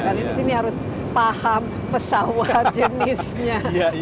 karena di sini harus paham pesawat jenisnya